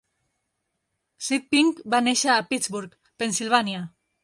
Sid Pink va néixer a Pittsburgh, Pennsilvània.